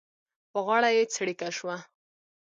په غاړه یې څړيکه شوه.